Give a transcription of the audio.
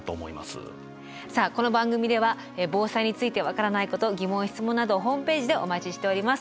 さあこの番組では防災について分からないこと疑問・質問などをホームページでお待ちしております。